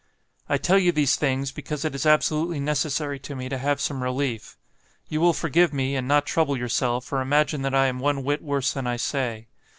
I tell you these things, because it is absolutely necessary to me to have some relief. You will forgive me, and not trouble yourself, or imagine that I am one whit worse than I say.